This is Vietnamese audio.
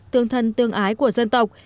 tương thân tương ái của dân tộc